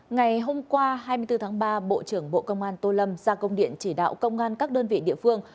ngày hôm qua hai mươi bốn tháng ba bộ trưởng bộ công an tô lâm ra công điện chỉ đạo công an các đơn vị địa phương